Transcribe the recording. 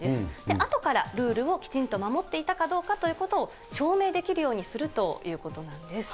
あとからルールをきちんと守っていたかどうかということを証明できるようにするということなんです。